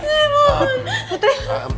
putri sus goreng mati